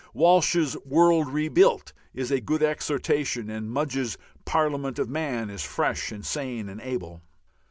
Walsh's "World Rebuilt" is a good exhortation, and Mugge's "Parliament of Man" is fresh and sane and able.